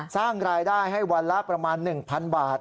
สร้างรายได้ให้วันละประมาณ๑๐๐๐บาท